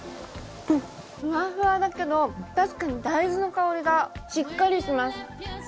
ふわふわだけど確かに大豆の香りがしっかりします。